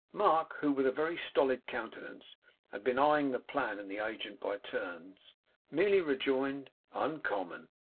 Mark, who, with a very stolid countenance had been eyeing the plan and the agent by turns, merely rejoined 'Uncommon!